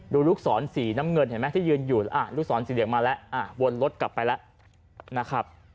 ดูลูกศรสีน้ำเงินที่ยืนอยู่ลูกศรสีเดี๋ยวมาแล้ววนรถกลับไปแล้วนะครับ